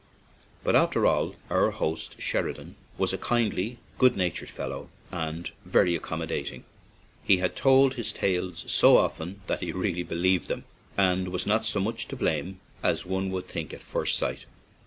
But, after all, our host Sheridan was a kindly, good natured fellow and very accommodating; he had told his tales so often that he really believed them, and was not so much to blame as one would think at first sight.